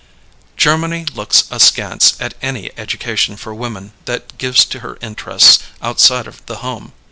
Germany looks askance at any education for woman that gives to her interests outside of the home.